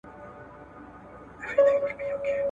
په نارو یو له دنیا له ګاونډیانو `